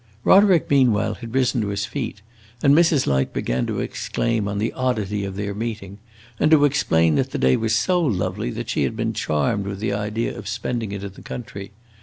Roderick meanwhile had risen to his feet, and Mrs. Light began to exclaim on the oddity of their meeting and to explain that the day was so lovely that she had been charmed with the idea of spending it in the country.